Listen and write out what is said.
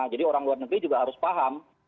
jadi orang luar negeri juga harus paham